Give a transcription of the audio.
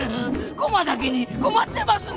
コマだけにコマってますね。